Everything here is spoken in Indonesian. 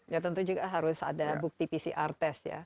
ya tentu juga harus ada bukti pcr test ya